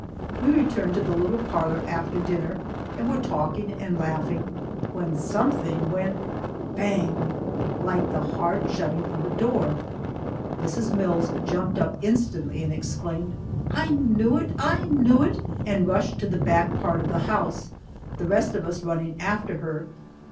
We returned to the little parlor after dinner, and were talking and laughing, when something went bang! like the hard shutting of a door. Mrs. Mills jumped up instantly and exclaimed, "I knew it I knew it!" and rushed to the back part of the house, the rest of us running after her.